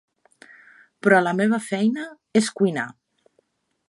Però la meva feina és cuinar.